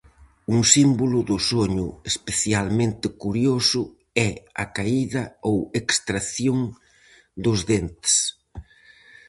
Un símbolo do soño especialmente curioso é a caída ou extracción dos dentes.